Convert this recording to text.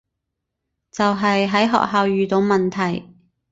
就係喺學校遇到問題